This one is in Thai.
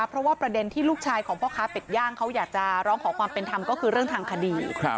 เพราะว่าประเด็นที่ลูกชายของพ่อค้าเป็ดย่างเขาอยากจะร้องขอความเป็นธรรมก็คือเรื่องทางคดี